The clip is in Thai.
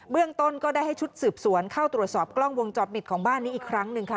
เรื่องต้นก็ได้ให้ชุดสืบสวนเข้าตรวจสอบกล้องวงจอดปิดของบ้านนี้อีกครั้งหนึ่งค่ะ